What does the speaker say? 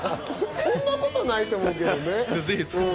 そんなことないと思うけど。